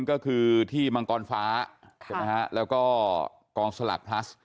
ก็คือที่มังกรฟ้าแล้วก็กองสลากพลัส